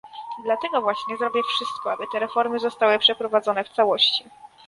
Dlatego właśnie zrobię wszystko, aby te reformy zostały przeprowadzone w całości